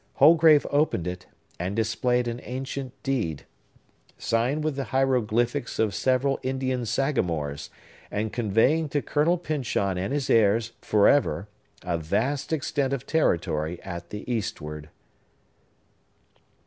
Holgrave opened it, and displayed an ancient deed, signed with the hieroglyphics of several Indian sagamores, and conveying to Colonel Pyncheon and his heirs, forever, a vast extent of territory at the Eastward.